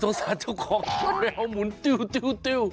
สาเจ้าของแมวหมุนติ้ว